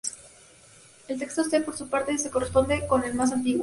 El texto C, por su parte, se corresponde con el más antiguo.